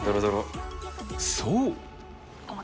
そう。